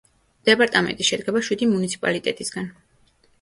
დეპარტამენტი შედგება შვიდი მუნიციპალიტეტისგან.